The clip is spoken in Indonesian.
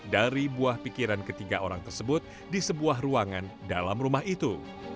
dari buah pikiran ketiga orang tersebut di sebuah ruangan dalam rumah itu